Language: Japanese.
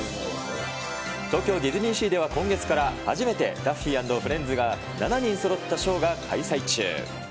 東京ディズニーシーでは今月から、初めてダッフィー＆フレンズが７人そろったショーが開催中。